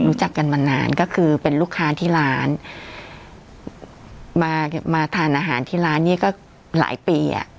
รู้จักกันมานานก็คือเป็นลูกค้าที่ร้านมามาทานอาหารที่ร้านนี้ก็หลายปีอ่ะ